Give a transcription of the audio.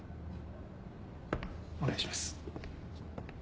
お願いします。